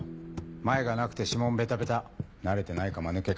マエがなくて指紋ベタベタ慣れてないか間抜けか。